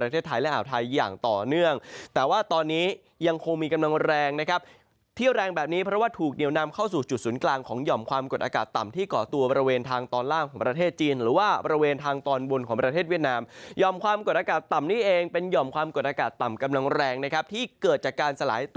ประเทศไทยและอ่าวไทยอย่างต่อเนื่องแต่ว่าตอนนี้ยังคงมีกำลังแรงนะครับที่แรงแบบนี้เพราะว่าถูกเหนียวนำเข้าสู่จุดศูนย์กลางของหย่อมความกดอากาศต่ำที่เกาะตัวบริเวณทางตอนล่างของประเทศจีนหรือว่าบริเวณทางตอนบนของประเทศเวียดนามยอมความกดอากาศต่ำนี้เองเป็นห่อมความกดอากาศต่ำกำลังแรงนะครับที่เกิดจากการสลายต